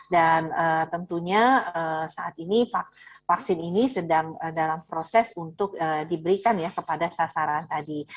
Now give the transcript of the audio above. dan tentunya saat ini vaksin ini sedang dalam proses untuk diberikan kepada sasaran tadi